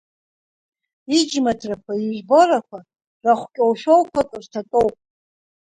Иџьмаҭрақәа, ижәборақәа рахә кьоушәоуқәак рҭатәоуп.